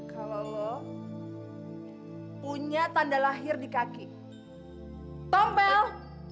kalau lo punya tanda lahir di kaki tompel